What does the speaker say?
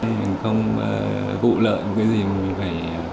mình không vụ lợi cái gì mà mình phải